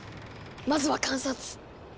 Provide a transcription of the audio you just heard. まずは観察！